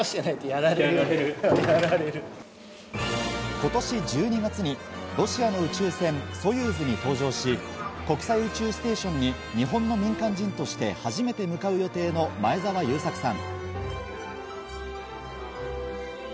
今年１２月にロシアの宇宙船ソユーズに搭乗し、国際宇宙ステーションに日本人の民間人宇宙飛行士として初めて向かう前澤友作さん。